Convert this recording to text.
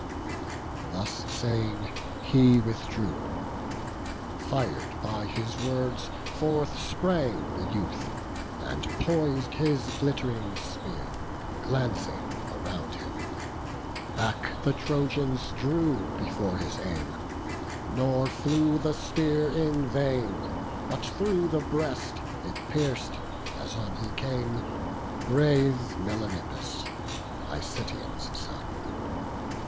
Thus saying, he withdrew; fir'd by his words, Forth sprang the youth, and pois'd his glitt'ring spear, Glancing around him; back the Trojans drew Before his aim; nor flew the spear in vain; But through the breast it pierc'd, as on he came, Brave Melanippus, Icetaon's son.